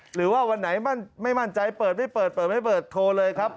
หรือว่าวันไหนไม่มั่นใจเปิดไม่เปิดเปิดไม่เปิดโทรเลยครับ